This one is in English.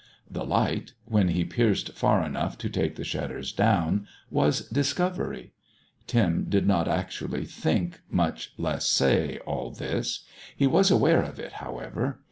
The light when he pierced far enough to take the shutters down was discovery. Tim did not actually think, much less say, all this. He was aware of it, however.